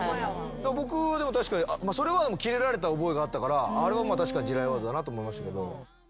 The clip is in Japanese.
僕はでも確かにそれはキレられた覚えがあったからあれは確かに地雷ワードだなと思いましたけど。